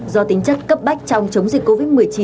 do tính chất cấp bách trong chống dịch covid một mươi chín